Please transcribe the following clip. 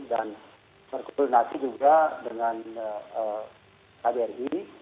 dan berkoordinasi juga dengan kbri